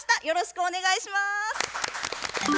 よろしくお願いします。